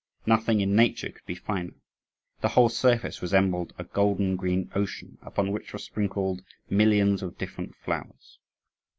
Nothing in nature could be finer. The whole surface resembled a golden green ocean, upon which were sprinkled millions of different flowers.